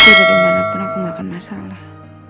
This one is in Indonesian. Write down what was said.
tidak ada dimanapun aku gak akan masalah